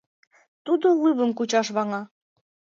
Тудо лывым кучаш ваҥа.